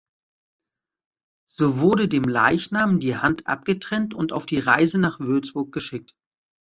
So wurde dem Leichnam die Hand abgetrennt und auf die Reise nach Würzburg geschickt.